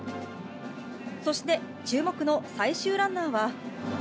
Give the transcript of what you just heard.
そして、注目の最終ランナーは。